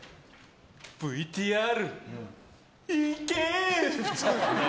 ＶＴＲ、いけ！